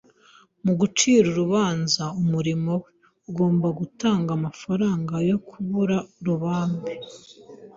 Mugucira urubanza umurimo we, ugomba gutanga amafaranga yo kubura uburambe.